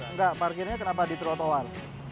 enggak parkirnya kenapa di trotoar